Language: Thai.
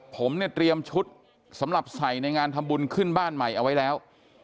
ผมเนี่ยเตรียมชุดสำหรับใส่ในงานทำบุญขึ้นบ้านใหม่เอาไว้แล้ว